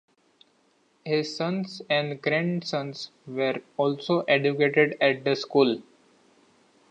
His sons and grandsons were also educated at the school.